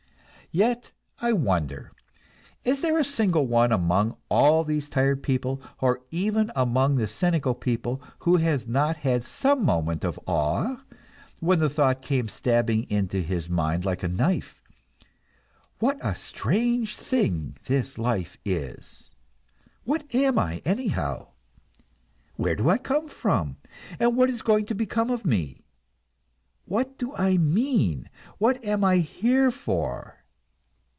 Yet, I wonder; is there a single one among all these tired people, or even among the cynical people, who has not had some moment of awe when the thought came stabbing into his mind like a knife: "What a strange thing this life is! What am I anyhow? Where do I come from, and what is going to become of me? What do I mean, what am I here for?"